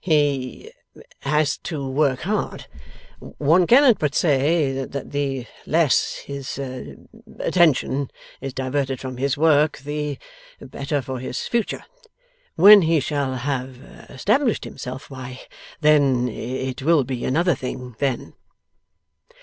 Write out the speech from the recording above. He has to work hard. One cannot but say that the less his attention is diverted from his work, the better for his future. When he shall have established himself, why then it will be another thing then.